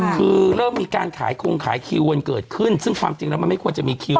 คือเริ่มมีการขายคงขายคิวกันเกิดขึ้นซึ่งความจริงแล้วมันไม่ควรจะมีคิว